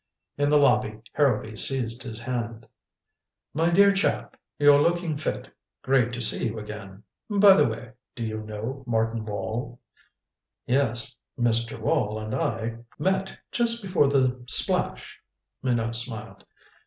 In the lobby Harrowby seized his hand. "My dear chap you're looking fit. Great to see you again. By the way do you know Martin Wall?" "Yes Mr. Wall and I met just before the splash," Minot smiled.